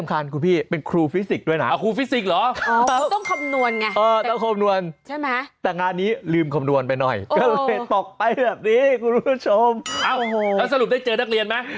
เอ้าถ้าสรุปได้เจอนักเรียนไหม